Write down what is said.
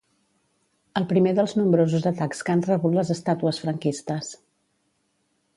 El primer dels nombrosos atacs que han rebut les estàtues franquistes.